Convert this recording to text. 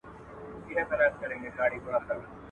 تا د هوښ په کور کي بې له غمه څه لیدلي دي.